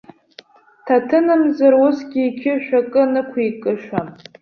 Ҭаҭынымзар усгьы иқьышә акы нықәикышам.